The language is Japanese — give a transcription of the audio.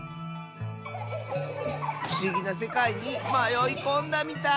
ふしぎなせかいにまよいこんだみたい！